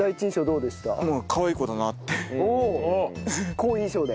好印象で？